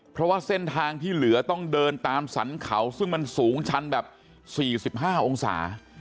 เพราะว่าเส้นทางที่เหลือต้องเดินตามสรรเขาซึ่งมันสูงชันแบบ๔๕องศา